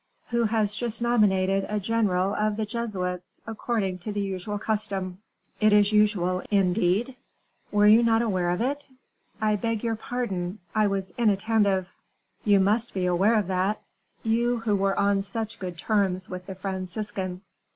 "Who has just nominated a general of the Jesuits, according to the usual custom." "Is it usual, indeed?" "Were you not aware of it?" "I beg your pardon; I was inattentive." "You must be aware of that you who were on such good terms with the Franciscan."